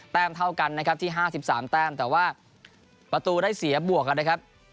แม้มเท่ากันนะครับที่๕๓แต้มแต่ว่าประตูได้เสียบวกกันนะครับ